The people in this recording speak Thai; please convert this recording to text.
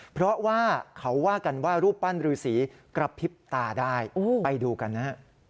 เพราะว่าเขาว่ากันว่ารูปปั้นรือสีกระพริบตาได้ไปดูกันนะฮะ